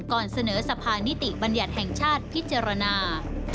ก่อนเสนอสะพานนิติบัญญัติแห่งชาติพิจารณา